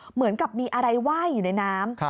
เหมือนกับมีอะไรไหว้อยู่ในน้ำ